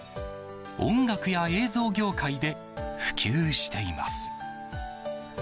音楽や映像業界で普及しています。